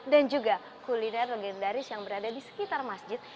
dan juga kuliner legendaris yang berada di sekitar masjid